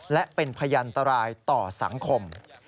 และเป็นพยันตรายต่อสังคม